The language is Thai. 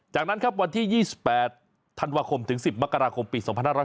จากนั้นครับวันที่๒๘ธันวาคมถึง๑๐มกราคมปี๒๕๖๐